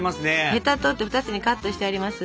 ヘタ取って２つにカットしてあります。